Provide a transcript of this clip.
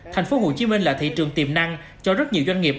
thành phố hồ chí minh là thị trường tiềm năng cho rất nhiều doanh nghiệp